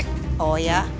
cek oh ya